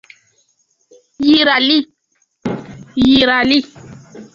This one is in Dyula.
Yirali